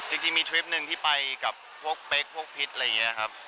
จริงมีทริปหนึ่งที่ไปกับพวกเป๊กพวกพิษอะไรอย่างนี้ครับ